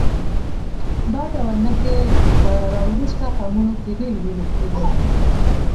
دا ډول نښې په راوروسته قومونو کې ډېرې لیدل کېږي